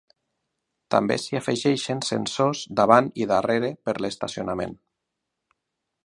També s'hi afegeixen sensors davant i darrere per l'estacionament.